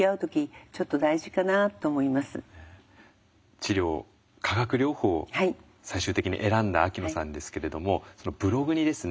治療化学療法を最終的に選んだ秋野さんですけれどもそのブログにですね